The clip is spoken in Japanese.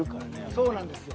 そうなんですよ。